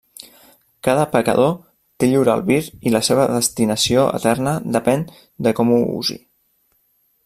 Cada pecador té lliure albir i la seva destinació eterna depèn de com ho usi.